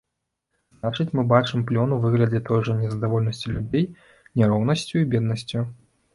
Значыць, мы бачым плён у выглядзе той жа незадаволенасці людзей няроўнасцю і беднасцю.